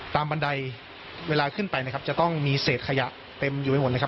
บันไดเวลาขึ้นไปนะครับจะต้องมีเศษขยะเต็มอยู่ไปหมดเลยครับ